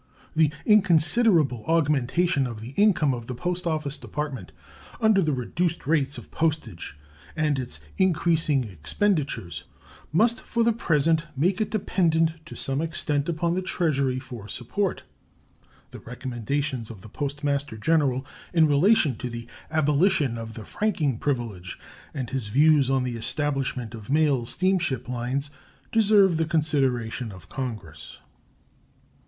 The inconsiderable augmentation of the income of the Post Office Department under the reduced rates of postage and its increasing expenditures must for the present make it dependent to some extent upon the Treasury for support. The recommendations of the Postmaster General in relation to the abolition of the franking privilege and his views on the establishment of mail steamship lines deserve the consideration of Congress.